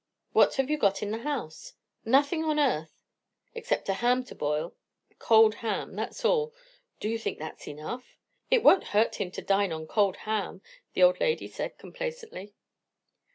"What have you got in the house?" "Nothing on earth, except a ham to boil. Cold ham, that's all. Do you think that's enough?" "It won't hurt him to dine on cold ham," the old lady said complacently.